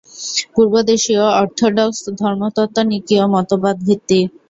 পূর্বদেশীয় orthodox ধর্মতত্ত্ব নিকীয় মতবাদভিত্তিক।